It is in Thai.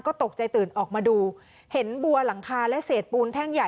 ก็ตกใจตื่นออกมาดูเห็นบัวหลังคาและเศษปูนแท่งใหญ่